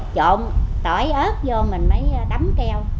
trộn tỏi ớt vô mình mới đắm keo